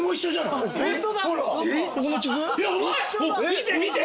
見て見て。